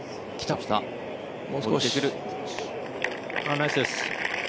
ナイスです。